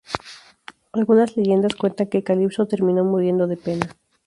Algunas leyendas cuentan que Calipso terminó muriendo de pena.